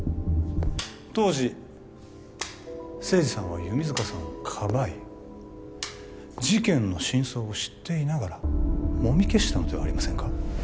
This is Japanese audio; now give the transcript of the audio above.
当時清二さんは弓塚さんをかばい事件の真相を知っていながらもみ消したのではありませんか？